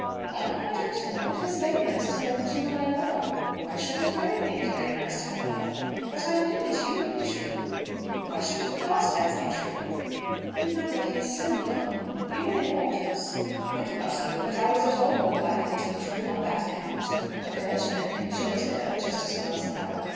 "Well; I don't know. It was very nice to know that you were my lover." "Why shouldn't Mary think it very nice to have a lover?" "But I knew that you would be true." "Why shouldn't Carstairs be true?" "Remember he is so young. You were in orders." "I don't know that I was at all more likely to be true on that account. A clergyman can jilt a girl just as well as another.